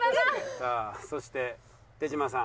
さあそして手島さん。